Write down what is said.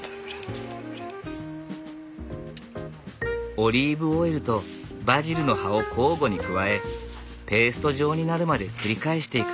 オリーブオイルとバジルの葉を交互に加えペースト状になるまで繰り返していく。